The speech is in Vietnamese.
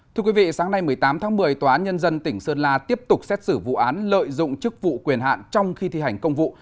thưa quý vị sáng nay một mươi tám tháng một mươi tòa án nhân dân tỉnh sơn la tiếp tục xét xử vụ án lợi dụng chức vụ quyền hạn trong khi thi hành công vụ